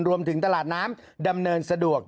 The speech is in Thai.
รวมถึงตลาดน้ำดำเนินสะดวก